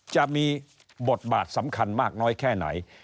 จะมีบทบาทสำคัญมากน้อยแค่ไหน